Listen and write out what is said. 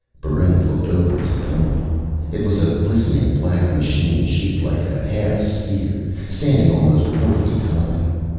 Barrent looked over his opponent. It was a glistening black machine shaped like a half sphere, standing almost four feet high.